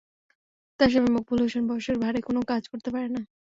তাঁর স্বামী মকবুল হোসেন বয়সের ভারে কোনো কাজ করতে পারেন না।